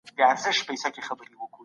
یو بې تجربې سړی د واښو په شان دی.